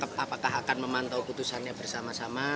apakah akan memantau putusannya bersama sama